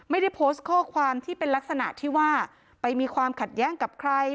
ไม่ได้โพสต์ข้อความที่เป็นลักษณะที่ว่าไปมีความขัดแย้งกับใคร